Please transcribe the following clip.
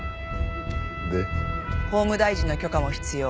法務大臣の許可も必要。